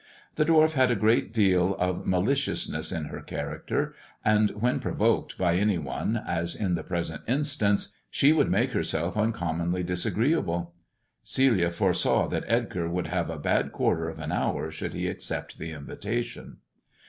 The dwarf had a great deal of maliciousness in her character, and when provoked by any one, as in the present instance, she would make herself uncommonly disagreeable. Celia foresaw that Edgar would have a bad quarter of an hour should he accept the invitation.